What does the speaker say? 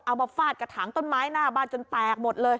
มาฟาดกระถางต้นไม้หน้าบ้านจนแตกหมดเลย